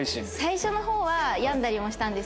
最初の方は病んだりもしたんですけど。